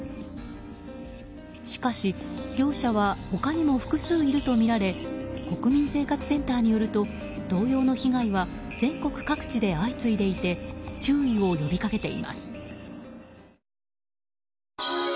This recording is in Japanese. しかし、業者は他にも複数いるとみられ国民生活センターによると同様の被害は全国各地で相次いでいて注意を呼びかけています。